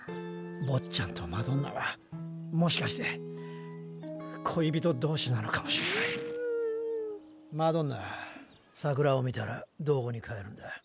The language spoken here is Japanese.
坊っちゃんとマドンナはもしかして恋人同士なのかもしれないマドンナ桜を見たら道後に帰るんだ。